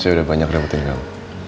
saya udah banyak dapetin kamu